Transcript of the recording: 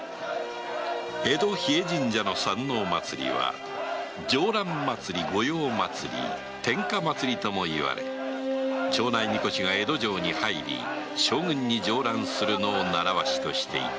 江戸日枝神社の山王祭は上覧祭・御用祭・天下祭ともいわれ町内神輿が江戸城に入り将軍に上覧するのを習わしとしていた